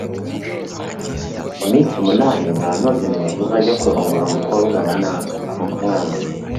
mu minsi umunani mwa ntozi mwe muzajye kurongora umukobwa wa naka (avuga umwanzi we )